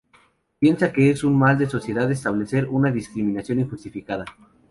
Piensa que es un mal de la sociedad establecer una discriminación injustificada.